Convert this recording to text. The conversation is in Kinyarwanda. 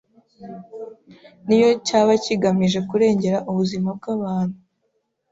niyo cyaba kigamije kurengera ubuzima bw'abantu